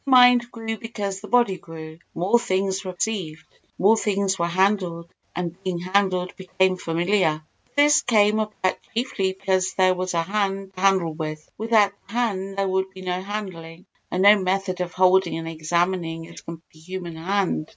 The mind grew because the body grew—more things were perceived—more things were handled, and being handled became familiar. But this came about chiefly because there was a hand to handle with; without the hand there would be no handling; and no method of holding and examining is comparable to the human hand.